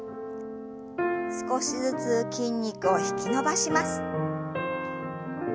少しずつ筋肉を引き伸ばします。